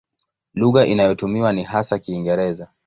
Lugha inayotumiwa ni hasa Kiingereza.